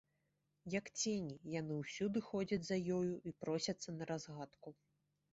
Як цені, яны ўсюды ходзяць за ёю і просяцца на разгадку.